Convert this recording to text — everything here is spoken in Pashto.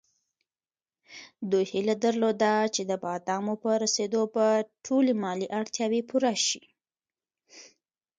دوی هیله درلوده چې د بادامو په رسېدو به ټولې مالي اړتیاوې پوره شي.